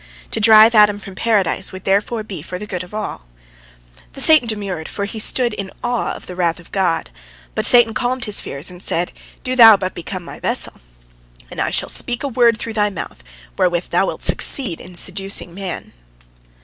To drive Adam from Paradise would therefore be for the good of all. The serpent demurred, for he stood in awe of the wrath of God. But Satan calmed his fears, and said, "Do thou but become my vessel, and I shall speak a word through thy mouth wherewith thou wilt succeed in seducing man."